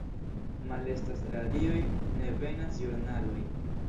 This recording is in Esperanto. Malestas radioj, ne venas ĵurnaloj.